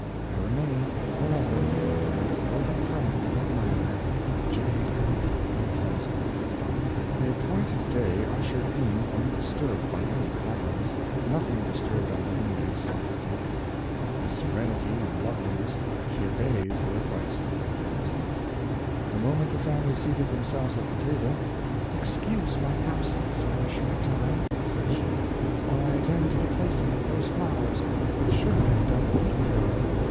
I remain, forever, your devoted friend and admirer, J. I. Elfonzo. The appointed day ushered in undisturbed by any clouds; nothing disturbed Ambulinia's soft beauty. With serenity and loveliness she obeys the request of Elfonzo. The moment the family seated themselves at the table "Excuse my absence for a short time," said she, "while I attend to the placing of those flowers, which should have been done a week ago."